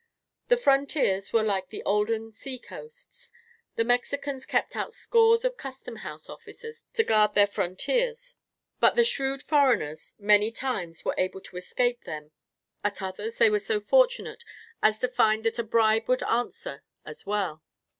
The frontiers were like the olden sea coasts. The Mexicans kept out scores of custom house officers to guard their frontiers, but the shrewd foreigners, many times, were able to escape them; at others, they were so fortunate as to find that a bribe would answer as well.